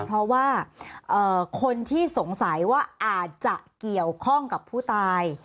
เพราะว่าคนที่สงสัยว่าอาจจะเกี่ยวข้องกับผู้ตาย